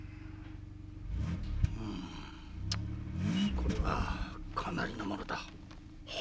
これはかなりのものだ。